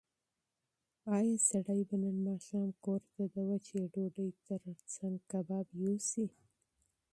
ایا سړی به نن ماښام کور ته د وچې ډوډۍ تر څنګ کباب یوسي؟